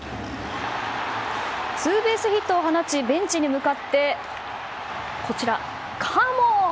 ツーベースヒットを放ちベンチに向かってカモーン！